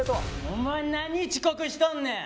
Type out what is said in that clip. お前何遅刻しとんねん！